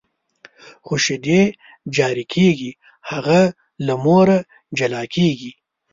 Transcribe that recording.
خو شیدې جاري کېږي، هغه له مور جلا کېږي.